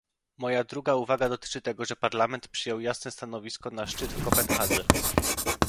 Moja druga uwaga dotyczy tego, że Parlament przyjął jasne stanowisko na szczyt w Kopenhadze